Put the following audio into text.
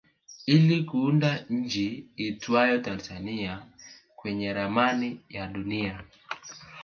ili kuunda nchi iitwayo Tanzania kwenye ramani ya dunia